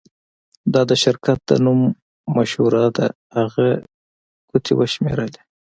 دا د شرکت د نوم مشوره ده هغې ګوتې وشمیرلې